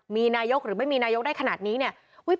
มีนายกหรือไม่มีนายกได้ขนาดนี้เนี่ย